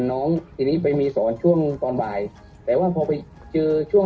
น้องทีนี้ไปมีสอนช่วงตอนบ่ายแต่ว่าพอไปเจอช่วง